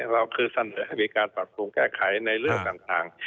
เราคือเสนอให้มีการปรับปรุงแก้ไขในเรื่องต่าง